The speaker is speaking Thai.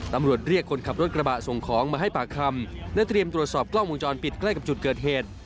ตำรวจเรียกคนขับรถกระบะส่งของมาให้ปากคำและเตรียมตรวจสอบกล้องวงจรปิดใกล้กับจุดเกิดเหตุ